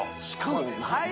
しかも何？